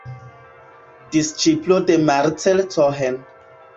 Disĉiplo de Marcel Cohen.